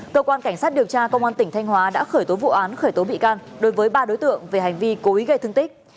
cơ quan cảnh sát điều tra công an tỉnh thanh hóa đã khởi tố vụ án khởi tố bị can đối với ba đối tượng về hành vi cố ý gây thương tích